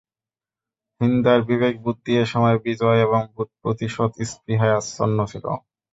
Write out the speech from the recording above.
হিন্দার বিবেক-বুদ্ধি এ সময় বিজয় এবং প্রতিশোধ স্পৃহায় আচ্ছন্ন ছিল।